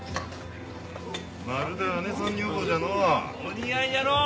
まるで姉さん女房じゃのう。